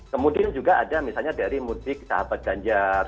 kemudian juga ada misalnya dari mudik sahabat ganjar